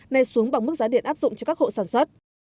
nay xuống bằng mức giá điện áp dụng cho các hộ sản xuất